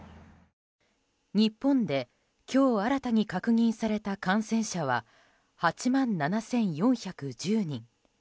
日本では、今日新たに確認された感染者は８万７４１０人。